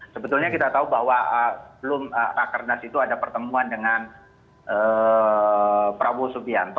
sebetulnya kita tahu bahwa sebelum raker nas itu ada pertemuan dengan prabowo subianto